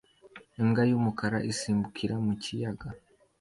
Imbwa y'umukara isimbukira mu kiyaga